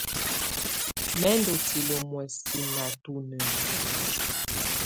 Mɛ̀ ndɔ̀ tilǝ muɛsɛ nà tunǝn.